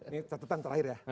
ini catatan terakhir ya